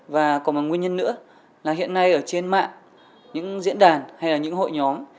và còn một nguyên nhân nữa là hiện nay ở trên mạng những diễn đàn hay là những hội nhóm